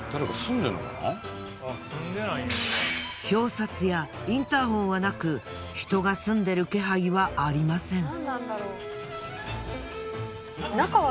表札やインターホンはなく人が住んでいる気配はありません。